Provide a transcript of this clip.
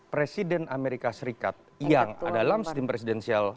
presiden amerika serikat yang dalam sistem presidensial